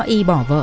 y bỏ vợ